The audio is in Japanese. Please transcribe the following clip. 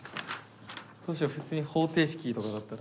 どうしよう普通に方程式とかだったら。